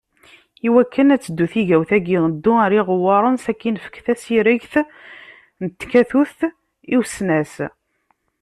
I wakken ad teddu tigawt-agi ddu ɣer iɣewwaṛen sakin efk tasiregt n tkatut i usnas.